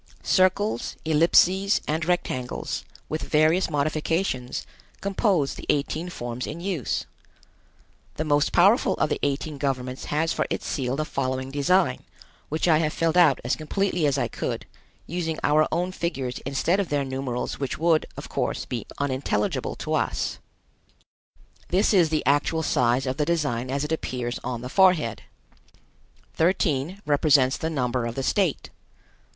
Circles, ellipses and rectangles, with various modifications, compose the eighteen forms in use. The most powerful of the eighteen governments has for its seal the following design, which I have filled out as completely as I could, using our own figures instead of their numerals which would, of course, be unintelligible to us. [Illustration: Tor tu seal] This is the actual size of the design as it appears on the forehead. 13 represents the number of the state.